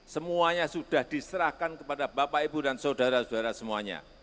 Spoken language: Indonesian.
semuanya sudah diserahkan kepada bapak ibu dan saudara saudara semuanya